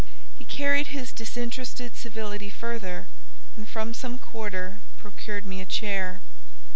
He carried his disinterested civility further; and, from some quarter, procured me a chair.